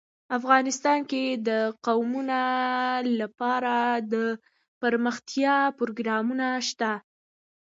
افغانستان کې د قومونه لپاره دپرمختیا پروګرامونه شته.